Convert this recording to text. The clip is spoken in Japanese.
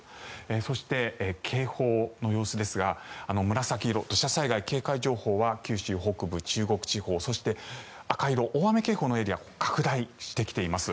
そして、警報の様子ですが紫色の土砂災害警戒情報は九州北部、中国地方そして、赤色大雨警報のエリアが拡大してきています。